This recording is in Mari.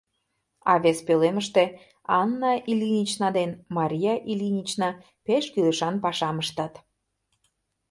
А вес пӧлемыште Анна Ильинична ден Мария Ильинична пеш кӱлешан пашам ыштат.